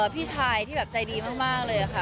พี่ชายที่แบบใจดีมากเลยค่ะ